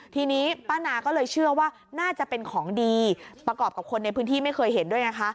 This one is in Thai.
ทีนี้ป้านาก็เลยเชื่อว่าน่าจะเป็นของดีประกอบกับคนในพื้นที่ไม่เคยเห็นด้วยไงคะ